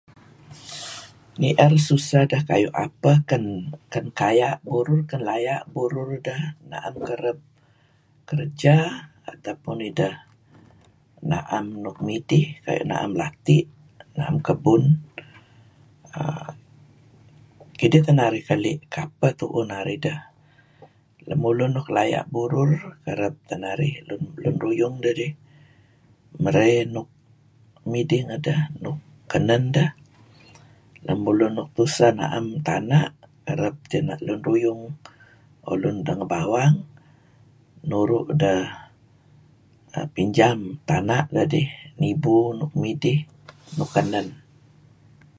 Ni'er suseh deh kayu' apeh, ken kaya' burur, ken laya' burur deh na'em kereb kerja atau pun ideh laya' burur, kan na'em nuk midih, na'em lati', na'em kebun, kidih teh narih keli' kapeh tu'uh narih deh. Lemulun nuk laya' burur kereb teh narih lun ruyung dedih merey nuk midih ngedah, nuk kenen dah, lemulun nuk tuseh na'em tana' kereb teh lun ruyung dedih or lun dengebawangnuru' deh pinjam tana' dedih nibu nuk midih nuk kenen.